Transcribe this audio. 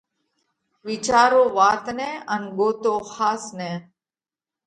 وِيچارو وات نئہ ان ڳوتو ۿاس نئہ!